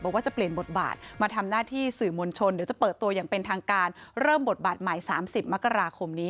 ว่าจะเปลี่ยนบทบาทมาทำหน้าที่สื่อมวลชนเดี๋ยวจะเปิดตัวอย่างเป็นทางการเริ่มบทบาทใหม่๓๐มกราคมนี้